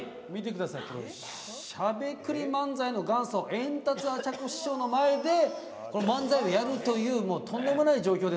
しゃべくり漫才の元祖エンタツ・アチャコ師匠の前で漫才をやるというとんでもない状況で。